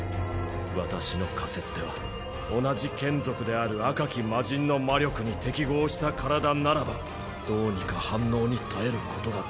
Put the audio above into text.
私の仮説では同じ眷属である赤き魔神の魔力に適合した体ならばどうにか反応に耐えることができる。